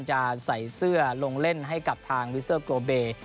จะใส่เสื้อลงเล่นให้กับทางวิสเตอร์โกเบย์